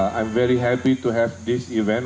saya sangat senang untuk memiliki acara ini kenapa